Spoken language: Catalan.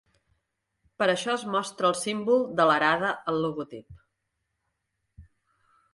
Per això es mostra el símbol de l'arada al logotip.